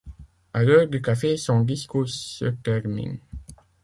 À l'heure du café, son discours se termine.